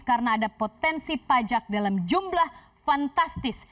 karena ada potensi pajak dalam jumlah fantastis